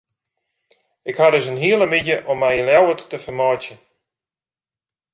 Ik ha dus in hiele middei om my yn Ljouwert te fermeitsjen.